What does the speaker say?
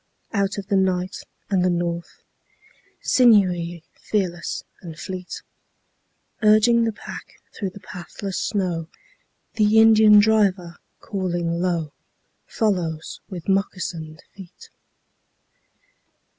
Out of the night and the north, Sinewy, fearless and fleet, Urging the pack through the pathless snow, The Indian driver, calling low, Follows with moccasined feet.